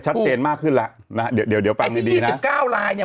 ชัดเจนมากขึ้นแล้วนะฮะเดี๋ยวเดี๋ยวฟังดีดีนะสิบเก้าลายเนี่ย